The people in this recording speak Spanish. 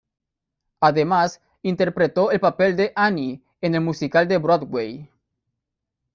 Además, interpretó el papel de "Annie" en el musical de Broadway.